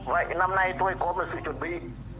vậy năm nay tôi có một sự chuẩn bị